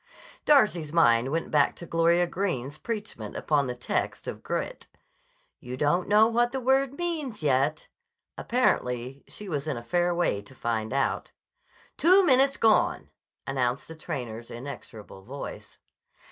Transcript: Darcy's mind went back to Gloria Greene's preachment upon the text of "grit": "You don't know what the word means, yet." Apparently she was in a fair way to find out. "Two minutes gone," announced the trainer's inexorable voice.